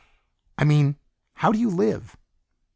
"I mean how do you live?"